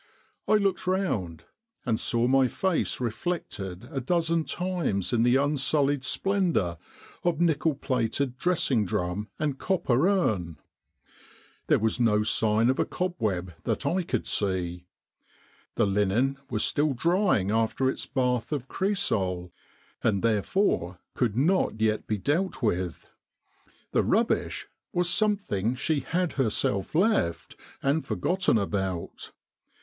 I looked round and saw my face reflected a dozen times in the unsullied splendour of nickel plated dressing drum and copper urn. There was no sign of a cobweb that I could see. The linen was still drying after its bath of cresol, and therefore could not yet be dealt with. The ' rubbish ' was something she had herself left, and forgotten about.